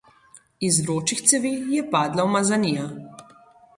Iz vročih cevi je padla umazanija.